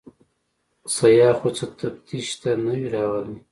سیاح خو څه تفتیش ته نه وي راغلی.